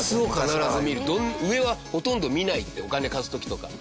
上はほとんど見ないってお金貸す時とか。